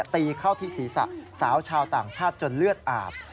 ตีเข้าที่ศีรษะสาวชาวต่างชาติจนเลือดอาบ